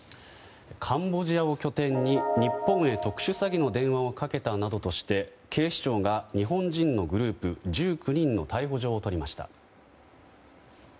カンボジアを拠点に日本へ特殊詐欺の電話をかけたなどとして警視庁が日本人のグループ１９人の逮捕状を取りました。